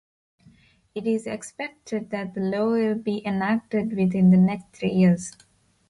It is expected that the law will be enacted within the next three years.